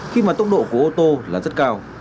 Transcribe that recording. khi mà tốc độ của ô tô là rất cao